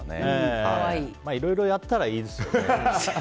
いろいろやったらいいですよ。